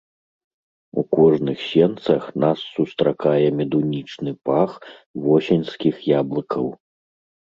У кожных сенцах нас сустракае медунічны пах восеньскіх яблыкаў.